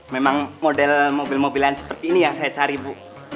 memang model mobil mobilan seperti ini yang saya cari bu